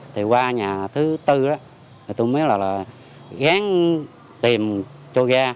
thì qua nhà thứ tư đó tôi mới là gán tìm cho ga